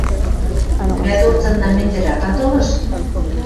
– Мӓ дорцынна мӹндӹрӓт атылыш.